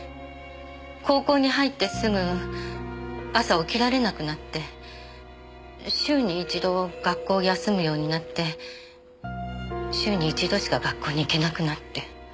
高校に入ってすぐ朝起きられなくなって週に一度学校を休むようになって週に一度しか学校に行けなくなって。